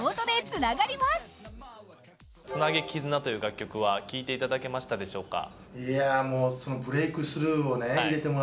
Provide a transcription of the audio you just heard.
「ツナゲキズナ」という楽曲は聴いていただけましたでしょうか。